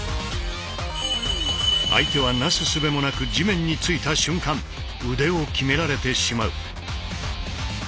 相手は為す術もなく地面についた瞬間腕を極められてしまう。